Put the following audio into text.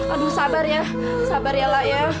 aduh sabar ya sabar ya lak ya